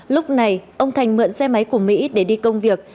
lúc này ông thành mượn xe máy của mỹ để đi công việc